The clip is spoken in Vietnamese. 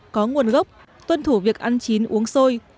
có nguồn gốc tuân thủ việc ăn chín uống sôi